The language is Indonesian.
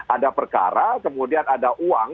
ada perkara kemudian ada uang